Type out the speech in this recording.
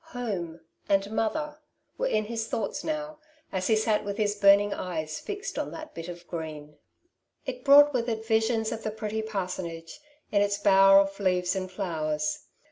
'^ Home '' and '•' mother ^' were in his thoughts now, as he sat with his burning eyes fixed on that bit of green. It Arthur Delta's Side of the Question. 69 brought with it visions of the pretty parsonage, in its bower of leaves and flowers.